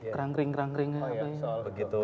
kerangkering kerangkeringnya apa ya